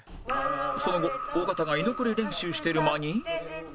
その後尾形が居残り練習してる間に